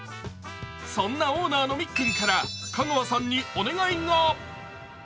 そんなオーナーのみっくんから香川さんにお願いが。